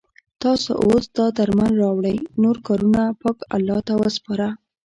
تاسو اوس دا درمل راوړئ نور کارونه پاک الله ته وسپاره.